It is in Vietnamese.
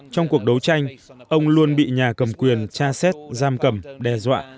trong cuộc đấu tranh ông luôn bị nhà cầm quyền cha xét giam cầm đe dọa